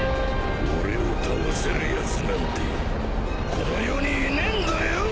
俺を倒せるやつなんてこの世にいねえんだよ！